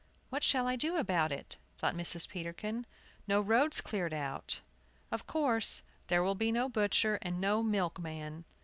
"What shall I do about it?" thought Mrs. Peterkin. "No roads cleared out! Of course there'll be no butcher and no milkman!"